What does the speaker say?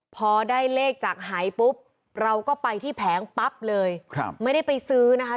พอได้เลขจากหายปุ๊บเราก็ไปที่แผงปั๊บเลยไม่ได้ไปซื้อนะคะ